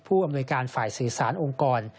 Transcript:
อำนวยการฝ่ายสื่อสารองค์กร